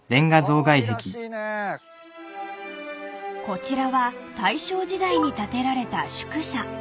［こちらは大正時代に建てられた宿舎］